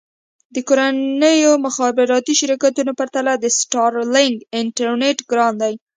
د کورنیو مخابراتي شرکتونو پرتله د سټارلېنک انټرنېټ ګران دی.